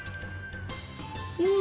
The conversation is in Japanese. うん！